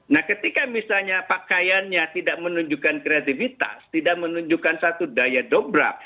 nah ketika misalnya pakaiannya tidak menunjukkan kreativitas tidak menunjukkan satu daya dobrak